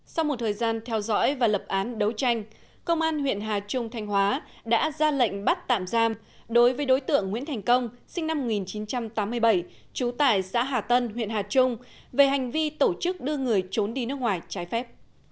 sau một thời gian theo dõi và lập án đấu tranh công an huyện hà trung thanh hóa đã ra lệnh bắt tạm giam đối với đối tượng nguyễn thành công sinh năm một nghìn chín trăm tám mươi bảy trú tại xã hà tân huyện hà trung về hành vi tổ chức đưa người trốn đi nước ngoài trái phép